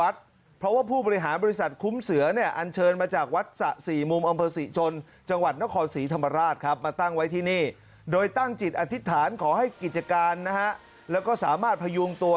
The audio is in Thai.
ขอให้กิจการนะฮะแล้วก็สามารถพยุงตัว